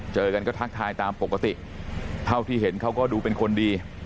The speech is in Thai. เจอกันก็ทักทายตามปกติเท่าที่เห็นเขาก็ดูเป็นคนดี